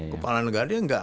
kepala negara dia enggak